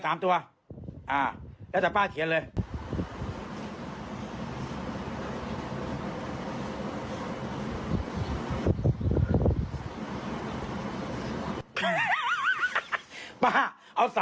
เอา๓ตัวพอป่ะ